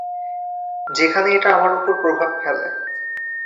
যেখানে এটা আমার ওপর প্রভাব ফেলে।